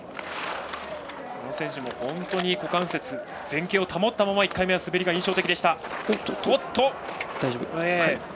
この選手も本当に股関節前傾を保ったまま１回目は滑りが印象的でした。